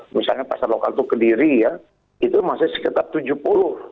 misalnya pasar lokal itu kediri ya itu masih sekitar tujuh puluh